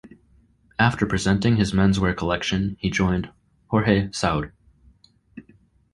After presenting his menswear collection, he joined Jorge Saud.